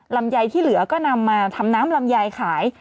ลำไยที่เหลือก็นำมาทำน้ำลำไยขาย